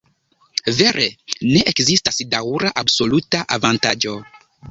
Vere ne ekzistas daŭra absoluta avantaĝo.